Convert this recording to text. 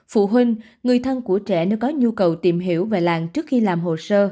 phụ huynh người thân của trẻ nếu có nhu cầu tìm hiểu về làng trước khi làm hồ sơ